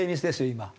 今。